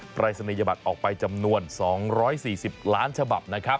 ปลายศนียบัตรออกไปจำนวน๒๔๐ล้านฉบับ